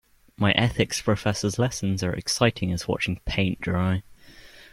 My ethics professor's lessons are as exciting as watching paint dry.